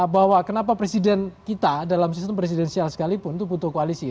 bahwa kenapa presiden kita dalam sistem presidensial sekalipun itu butuh koalisi